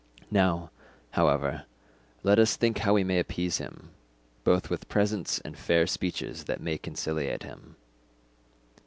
Now, however, let us think how we may appease him, both with presents and fair speeches that may conciliate him."